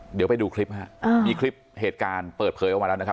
เดี๋ยวไปดูคลิปฮะมีคลิปเหตุการณ์เปิดเผยออกมาแล้วนะครับ